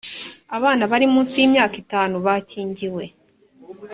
abana bari munsi y’imyaka itanu bakingiwe